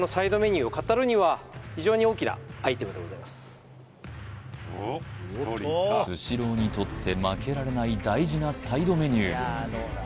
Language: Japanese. やっぱりスシローにとって負けられない大事なサイドメニュー